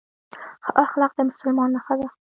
ښه اخلاق د مسلمان نښه ده